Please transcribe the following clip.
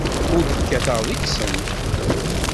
Ur d-kkateɣ deg-sent.